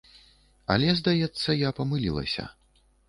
Але, здаецца, я памылілася.